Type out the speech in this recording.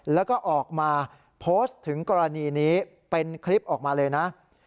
แล้วก็ออกมาโพสต์ถึงกรณีนี้เป็นคลิปออกมาเลยนะ